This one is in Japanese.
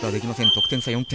得点差４点。